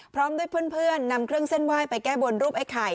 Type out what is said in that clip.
พร้อมด้วยเพื่อนนำเครื่องเส้นไหว้ไปแก้บนรูปไอ้ไข่